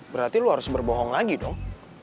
berarti lu harus berbohong lagi dong